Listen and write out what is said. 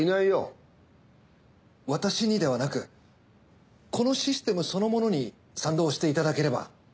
私にではなくこのシステムそのものに賛同していただければ。